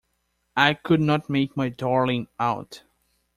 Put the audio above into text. I could not make my darling out.